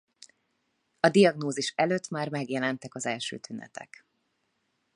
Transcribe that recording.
A diagnózis előtt már megjelentek az első tünetek.